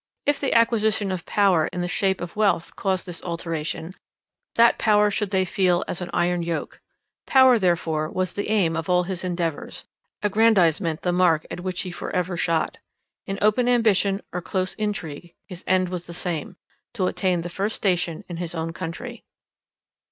If the acquisition of power in the shape of wealth caused this alteration, that power should they feel as an iron yoke. Power therefore was the aim of all his endeavours; aggrandizement the mark at which he for ever shot. In open ambition or close intrigue, his end was the same—to attain the first station in his own country.